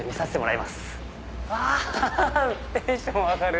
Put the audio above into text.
うわテンション上がる！